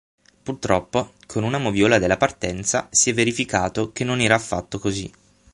Purtroppo con una moviola della partenza si è verificato che non era affatto così.